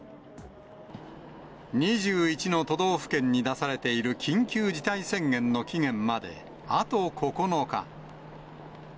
２１の都道府県に出されている緊急事態宣言の期限まで、あと９日。